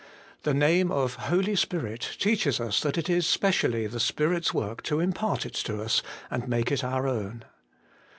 The name of Holy Spirit teaches us that it is specially the Spirit's work to impart it to us and make it our own.